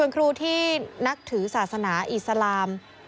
คุณครูที่นับถือศาสนาอิสลาม